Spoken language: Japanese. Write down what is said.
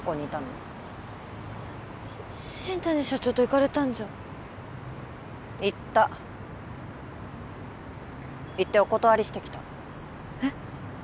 えっ新谷社長と行かれたんじゃ行った行ってお断りしてきたえっ？